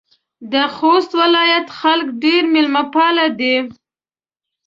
د خوست ولایت خلک ډېر میلمه پاله دي.